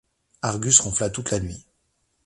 Argus ronfla toute la nuit.